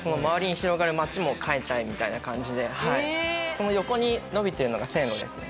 その横に延びてるのが線路ですね。